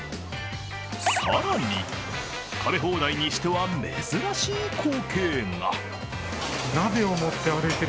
更に食べ放題にしては珍しい光景が。